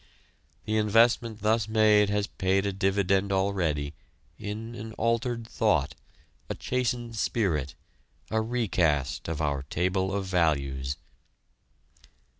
The investment thus made has paid a dividend already, in an altered thought, a chastened spirit, a recast of our table of values.